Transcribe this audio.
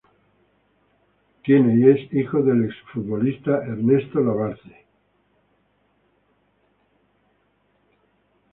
Tiene y es hijo del ex futbolista Ernesto Labarthe.